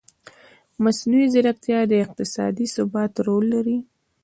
مصنوعي ځیرکتیا د اقتصادي ثبات رول لري.